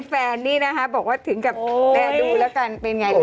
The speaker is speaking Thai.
แฟนนี่นะคะบอกว่าถึงกับแม่ดูแล้วกันเป็นไงคะ